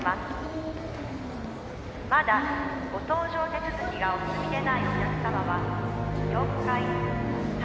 「まだご搭乗手続きがお済みでないお客様は」